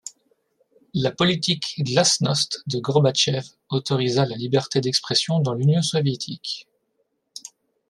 La politique glasnost de Gorbachev autorisa la liberté d'expression dans l'Union soviétique.